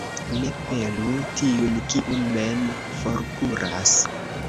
Ne pelu tiun, kiu mem forkuras.